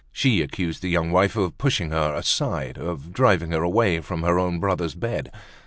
She accused the young wife of pushing her aside, of driving her away from her own brother's bed.